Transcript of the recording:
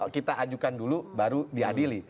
kita ajukan dulu baru diadili